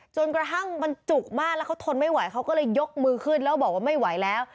จนกระทั่งมันจุกมากแล้วเขาทนไม่ไหวเขาก็เลยยกมือขึ้นแล้วบอกว่าไม่ไหวแล้ว